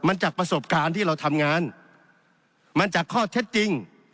มันจากประสบการณ์ที่เราทำงานมันจากข้อเท็จจริง